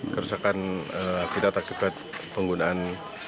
kerusakan habitat akibat penggunaan